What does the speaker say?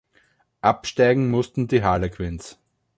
Absteigen mussten die Harlequins.